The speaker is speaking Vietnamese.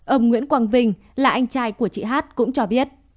ông nguyễn quang vinh là anh trai của chị hát cũng cho biết